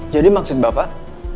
jadi maksud bapak